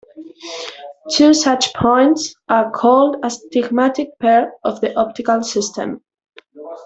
Two such points are called a stigmatic pair of the optical system.